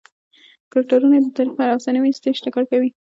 کرکټرونه یې د تاریخ پر افسانوي سټېج ټکر کوي.